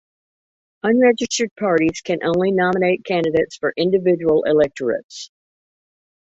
Unregistered parties can only nominate candidates for individual electorates.